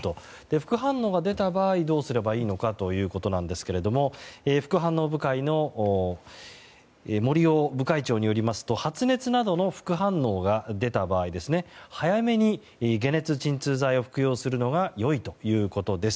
副反応が出た場合、どうすればいいかということですが副反応部会の森尾部会長によりますと発熱などの副反応が出た場合早めに解熱鎮痛剤を服用するのが良いということです。